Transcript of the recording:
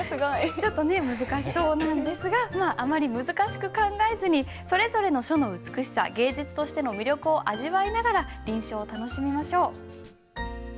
ちょっとね難しそうなんですがまああまり難しく考えずにそれぞれの書の美しさ芸術としての魅力を味わいながら臨書を楽しみましょう。